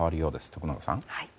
徳永さん。